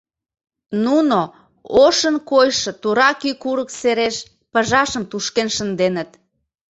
Нуно ошын койшо тура кӱ курык сереш пыжашым тушкен шынденыт.